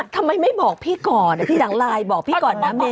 ทำไมไม่บอกพี่ก่อนพี่หลังไลน์บอกพี่ก่อนนะเมย